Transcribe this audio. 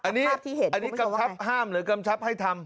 อันนี้กำชับห้ามหรือกำชับให้ทำ